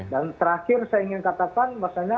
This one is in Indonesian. dan terakhir saya ingin katakan